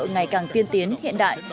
ngày càng tiên tiến hiện đại